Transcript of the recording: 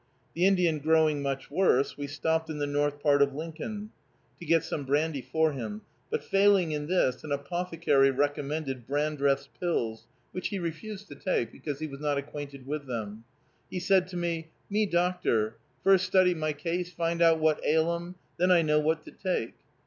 The Indian growing much worse, we stopped in the north part of Lincoln to get some brandy for him; but failing in this, an apothecary recommended Brandreth's pills, which he refused to take, because he was not acquainted with them. He said to me, "Me doctor, first study my case, find out what ail 'em, then I know what to take."